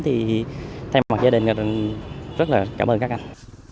thay mặt cho gia đình là rất là cảm ơn các anh